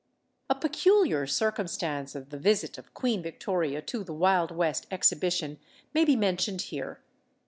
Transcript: A peculiar circumstance of the visit of Queen Victoria to the Wild West exhibition may be mentioned here.